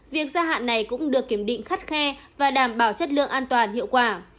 việc gia hạn này cũng được kiểm định khắt khe và đảm bảo chất lượng an toàn hiệu quả